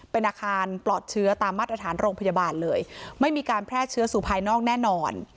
เป็นอาคารปลอดเชื้อตามมาตรฐานโรงพยาบาลเลยไม่มีการแพร่เชื้อสู่ภายนอกแน่นอน